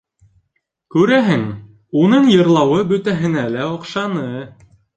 Күрәһең, уның йырлауы бөтәһенә лә оҡшаны.